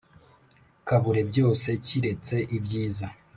kabure byose kiretse ibyiza